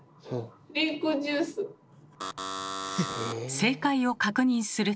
正解を確認すると。